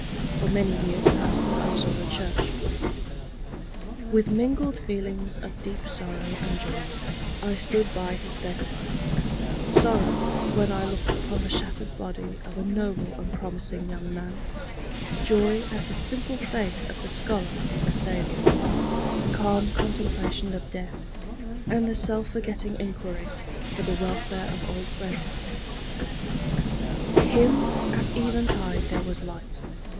for many years pastor of Zorra church: "With mingled feelings of deep sorrow and joy, I stood by his bedside; sorrow, when I looked upon the shattered body of a noble and promising young man, joy at the simple faith of the scholar in the Saviour, the calm contemplation of death, and the self forgetting inquiry for the welfare of old friends. To him at even tide there was light.